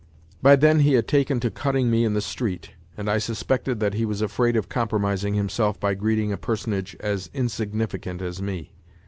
By then he had taken to cutting me in the street, and I suspected that he was afraid of compromising himself by greeting a per sonage as insignificant as me.